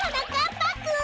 ぱくん！